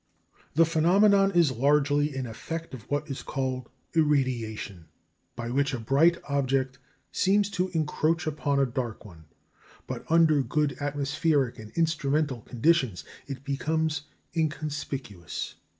The phenomenon is largely an effect of what is called irradiation, by which a bright object seems to encroach upon a dark one; but under good atmospheric and instrumental conditions it becomes inconspicuous.